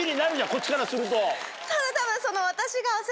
こっちからすると。